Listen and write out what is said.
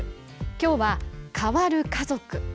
きょうは変わる家族。